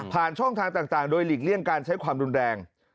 ช่องทางต่างโดยหลีกเลี่ยงการใช้ความรุนแรง